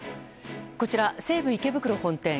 こちら、西武池袋本店。